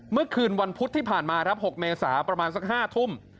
เมื่อคืนวันพุธที่ผ่านมาครับ๖เมษาประมาณสัก๕ทุ่ม